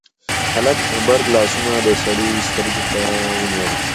هلک غبرګ لاسونه د سړي سترګو ته ونيول: